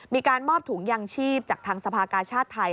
มีการมอบถุงยางชีพจากทางสภากาชาติไทย